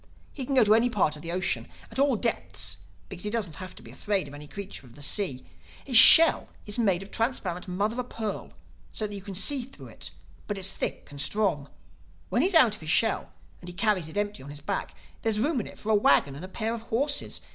He can go to any part of the ocean, at all depths because he doesn't have to be afraid of any creature in the sea. His shell is made of transparent mother o' pearl so that you can see through it; but it's thick and strong. When he is out of his shell and he carries it empty on his back, there is room in it for a wagon and a pair of horses.